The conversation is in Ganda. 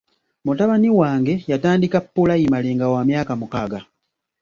Mutabani wange yatandika pulayimale nga wa myaka mukaaga.